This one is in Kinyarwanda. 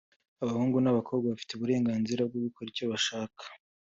abahungu n’abakobwa bafite uburenganzirabwogukora icyo ashaka